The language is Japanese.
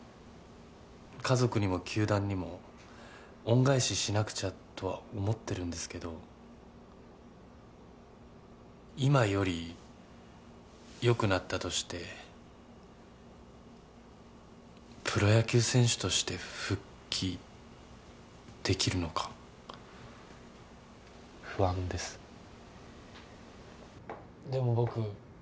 家族にも球団にも恩返ししなくちゃとは思ってるんですけど今よりよくなったとしてプロ野球選手として復帰できるのか不安です・